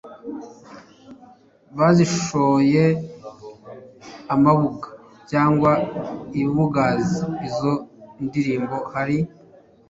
bazishoye amabuga cyangwa ibibugazi Izo ndirimbo hari